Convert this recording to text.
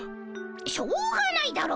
しょうがないだろ。